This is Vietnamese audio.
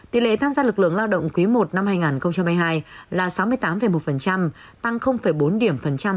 tỷ lệ tham gia lực lượng lao động quý i năm hai nghìn hai mươi hai là sáu mươi tám một tăng bốn điểm phần trăm